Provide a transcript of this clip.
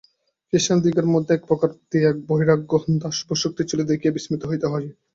খ্রীষ্টিয়ানদিগের মধ্যেও এ প্রকার ত্যাগ বৈরাগ্য ও দাস্যভক্তি ছিল দেখিয়া বিস্মিত হইতে হয়।